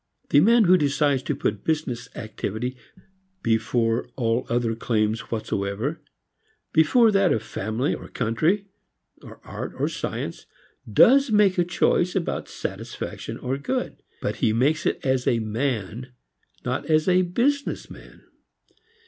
The man who decides to put business activity before all other claims whatsoever, before that of family or country or art or science, does make a choice about satisfaction or good. But he makes it as a man, not as a business man.